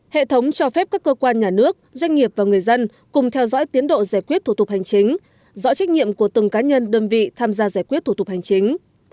hệ thống cho phép các cơ quan nhà nước doanh nghiệp và người dân cùng theo dõi tiến độ giải quyết thủ tục hành chính rõ trách nhiệm của từng cá nhân đơn vị tham gia giải quyết thủ tục hành chính